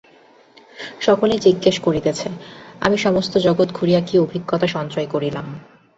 সকলেই জিজ্ঞাসা করিতেছ, আমি সমস্ত জগৎ ঘুরিয়া কি অভিজ্ঞতা সঞ্চয় করিলাম।